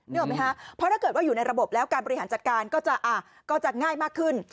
ออกไหมคะเพราะถ้าเกิดว่าอยู่ในระบบแล้วการบริหารจัดการก็จะง่ายมากขึ้น